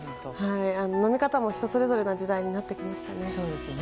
飲み方も人それぞれの時代になってきましたね。